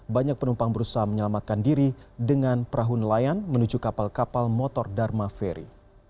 banyak penumpang berusaha menyelamatkan diri dengan perahu nelayan menuju kapal kapal motor dharma ferry